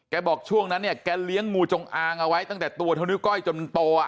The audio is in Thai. บอกช่วงนั้นเนี่ยแกเลี้ยงงูจงอางเอาไว้ตั้งแต่ตัวเท่านิ้วก้อยจนมันโต